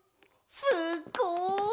すっごい！